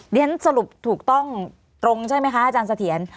ด้วยฉะนั้นสรุปถูกต้องตรงใช่ไหมคะอาจารย์สถียร